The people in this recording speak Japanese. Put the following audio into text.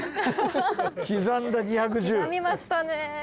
刻みましたね。